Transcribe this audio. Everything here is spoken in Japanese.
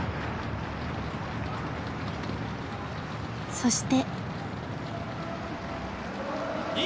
そして。